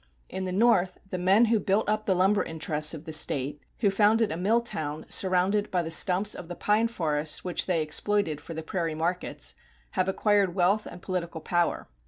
In the north, the men who built up the lumber interests of the State, who founded a mill town surrounded by the stumps of the pine forests which they exploited for the prairie markets, have acquired wealth and political power.